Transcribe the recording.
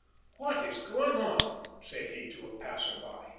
"What is going on?" said he, to a passer by.